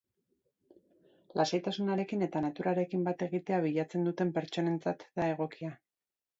Lasaitasunarekin eta naturarekin bat egitea bilatzen duten pertsonentzat da egokia.